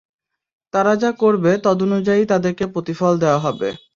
তারা যা করবে তদনুযায়ীই তাদেরকে প্রতিফল দেয়া হবে।